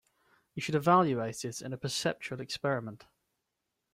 You should evaluate it in a perceptual experiment.